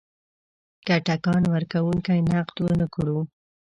که ټکان ورکونکی نقد ونه کړو.